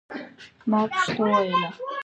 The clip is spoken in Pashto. ما پښتو ویله.